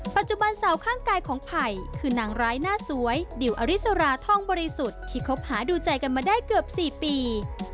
ปัจจุบันเสาข้างกายของไผ่คือนางร้ายหน้าสวยดิวอริสราท่องบริสุทธิ์ที่คบหาดูใจกันมาได้เกือบ๔ปี